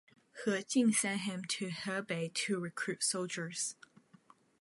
He Jin sent him to Hebei to recruit soldiers.